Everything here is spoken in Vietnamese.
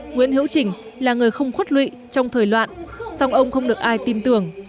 nguyễn hữu trình là người không khuất lụy trong thời loạn song ông không được ai tin tưởng